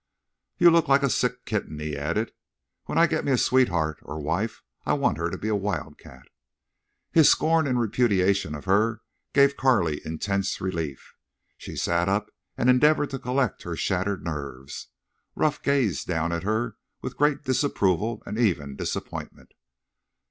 "You look like a sick kitten," he added. "When I get me a sweetheart or wife I want her to be a wild cat." His scorn and repudiation of her gave Carley intense relief. She sat up and endeavored to collect her shattered nerves. Ruff gazed down at her with great disapproval and even disappointment.